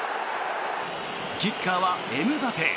キッカーはエムバペ。